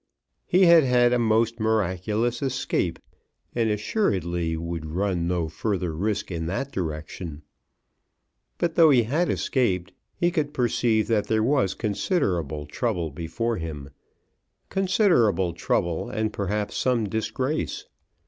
He had had a most miraculous escape, and assuredly would run no further risk in that direction. But though he had escaped, he could perceive that there was considerable trouble before him, considerable trouble and perhaps some disgrace.